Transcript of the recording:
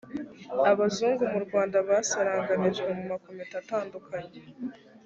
abazungu mu rwanda basaranganijwe mu makominote atandukanye